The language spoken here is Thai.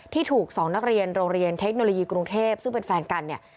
ที่ถูก๒นักเรียนโรงเรียนเทคโนโลยีกรุงเทพซึ่งเป็นแฟนกันเนี่ย